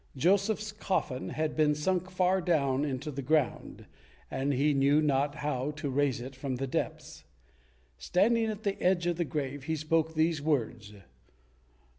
Joseph's coffin had been sunk far down into the ground, and he knew not how to raise it from the depths. Standing at the edge of the grave, he spoke these words.